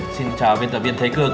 xin chào viên tập viên thế cương